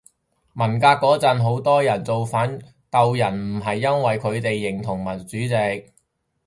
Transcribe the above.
文革嗰陣好多人造反鬥人唔係因爲佢哋真係認同毛主席